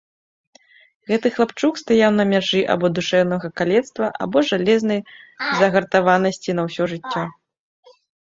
Гэты хлапчук стаяў на мяжы або душэўнага калецтва, або жалезнай загартаванасці на ўсё жыццё.